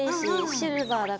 シルバーだから。